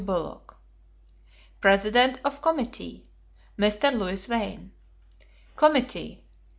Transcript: Bullock. President of Committee. Mr. Louis Wain. Committee.